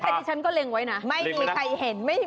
เฮ้ยรนี้ฉันก็เล่นไว้นะ